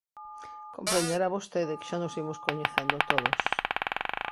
Comprenderá vostede que xa nos imos coñecendo todos.